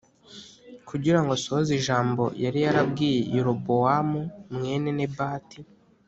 kugira ngo asohoze ijambo yari yarabwiye Yerobowamu mwene Nebati